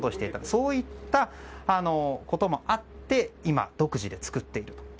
そういったこともあって今、独自で作っていると。